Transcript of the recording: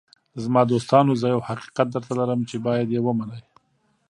“زما دوستانو، زه یو حقیقت درته لرم چې باید یې ومنئ.